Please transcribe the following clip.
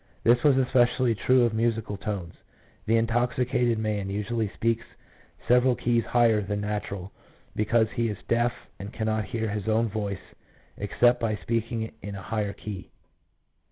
This was especially true of musical tones. The intoxicated man usually speaks several keys higher than natural, because he is deaf and can not hear his own voice except by speaking in a higher key.